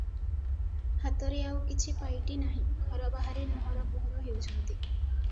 ହାତରେ ଆଉ କିଛି ପାଇଟି ନାହିଁ, ଘର ବାହାରେ ନହର ପହର ହେଉଛନ୍ତି ।